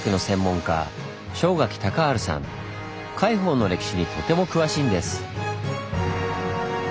海堡の歴史にとても詳しいんです。